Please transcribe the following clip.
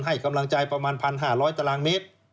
ให้กำลังใจประมาณ๑๕๐๐ตารางเมตร